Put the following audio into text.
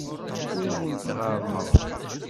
Ur awent-d-ɣerrmeɣ.